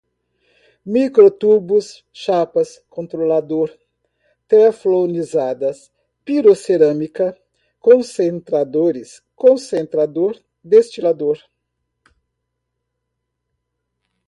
micro-tubos, chapas, controlador, teflonizada, pirocerâmica, concentradores, concentrador, destilador